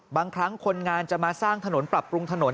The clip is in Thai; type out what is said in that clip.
บางครั้งคนงานจะมาสร้างถนนปรับปรุงถนน